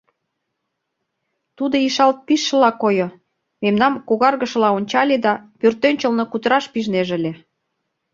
Тудо ишалт пижшыла койо, мемнам когаргышыла ончале да пӧртӧнчылнӧ кутыраш пижнеже ыле: